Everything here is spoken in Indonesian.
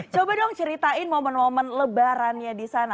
coba dong ceritain momen momen lebarannya di sana